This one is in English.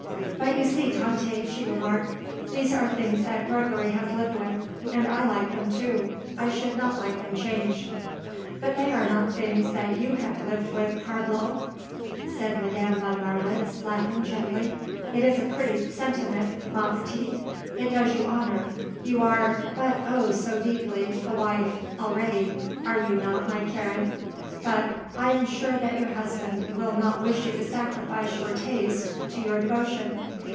"But you see, Tante," she remarked, "these are things that Gregory has lived with. And I like them so, too. I should not like them changed." "But they are not things that you have lived with, parbleu!" said Madame von Marwitz laughing gently. "It is a pretty sentiment, ma petite, it does you honour; you are but oh! so deeply the wife, already, are you not, my Karen? but I am sure that your husband will not wish you to sacrifice your taste to your devotion.